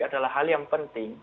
adalah hal yang penting